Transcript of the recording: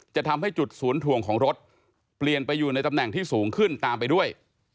จะทำให้จุดศูนย์ถ่วงของรถเปลี่ยนไปอยู่ในตำแหน่งที่สูงขึ้นตามไปด้วย